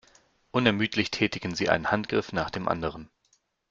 Unermüdlich tätigen sie einen Handgriff nach dem anderen.